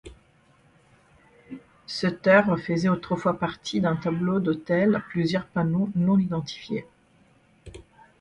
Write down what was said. Cette œuvre faisait autrefois partie d'un tableau d'autel à plusieurs panneaux non identifié.